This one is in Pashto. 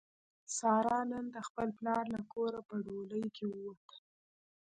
ساره نن د خپل پلار له کوره په ډولۍ کې ووته.